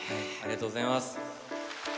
ありがとうございます。